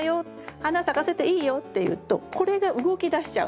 花咲かせていいよっていうとこれが動きだしちゃうんです。